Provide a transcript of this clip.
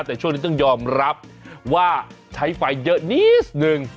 แต่ช่วงนี้ต้องยอมรับว่าใช้ไฟเยอะนิดนึง